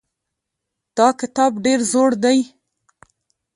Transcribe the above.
دا کتاب ډېر زوړ دی.